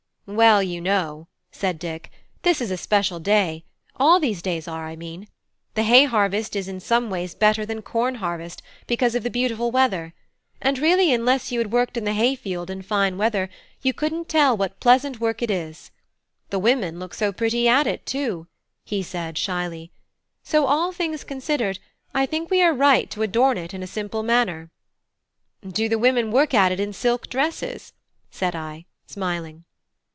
"Well, you know," said Dick, "this is a special day all these days are, I mean. The hay harvest is in some ways better than corn harvest because of the beautiful weather; and really, unless you had worked in the hay field in fine weather, you couldn't tell what pleasant work it is. The women look so pretty at it, too," he said, shyly; "so all things considered, I think we are right to adorn it in a simple manner." "Do the women work at it in silk dresses?" said I, smiling.